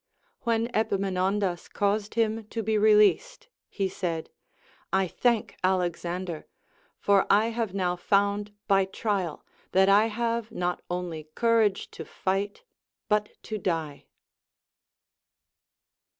When Epaminondas caused him to be released, he said : I thank Alexander, for I have now found by trial that I have not only courage to fight, but to die.